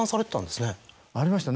ありましたね